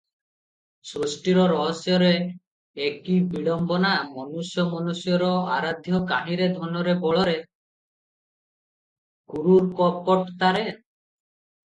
ସୃଷ୍ଟିର ରହସ୍ୟରେ ଏକି ବିଡ଼ମ୍ବନା! ମନୁଷ୍ୟ ମନୁଷ୍ୟର ଆରାଧ୍ୟ- କାହିଁରେ ଧନରେ ବଳରେ- କ୍ରୁର- କପଟତାରେ ।